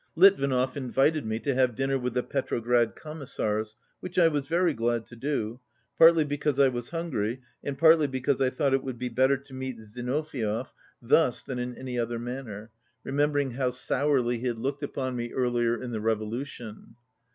Litvinov invited me to have dinner with the Petrograd Commissars, which I was very glad to do, partly because I was hungry and partly because I thought it would be better to meet Zinoviev thus than in any other manner, remembering how sourly 16 he bad looked upon me earlier in the revolution.